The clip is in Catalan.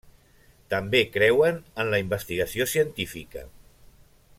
També creuen en la investigació científica.